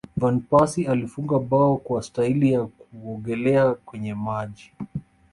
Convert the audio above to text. van persie alifunga bao kwa staili ya kuogelea kwenye maji